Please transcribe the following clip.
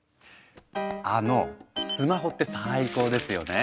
あのぉスマホって最高ですよね？